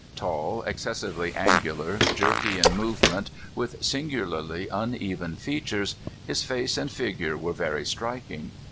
Tall, excessively angular, jerky in movement, with sin gularly uneven features, his face and figure were very striking.